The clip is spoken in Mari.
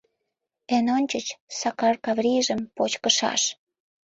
Эн ончыч Сакар Каврийжым почкышаш.